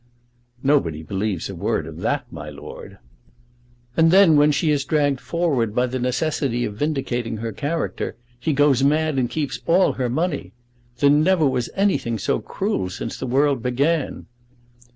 "Nobody believes a word of that, my lord." "And then when she is dragged forward by the necessity of vindicating her character, he goes mad and keeps all her money! There never was anything so cruel since the world began."